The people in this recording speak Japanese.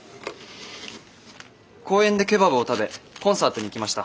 公園でケバブを食べコンサートに行きました。